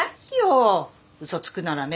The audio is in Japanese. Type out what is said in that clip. うそつくならね